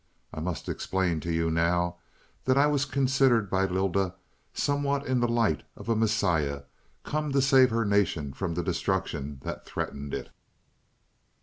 I must explain to you now, that I was considered by Lylda somewhat in the light of a Messiah, come to save her nation from the destruction that threatened it.